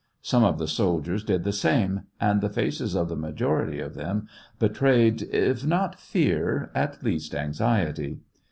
Some of the soldiers did the same, and the faces of the majority of them betrayed, if not fear, at least anxiety.